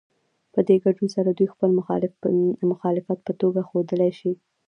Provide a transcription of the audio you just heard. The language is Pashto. په دې ګډون سره دوی خپل مخالفت په ښه توګه ښودلی شي.